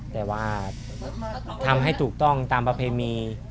แต่ว่าทำให้ถูกต้องตามประเพณี